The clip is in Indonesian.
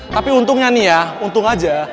tapi untungnya nih ya untung aja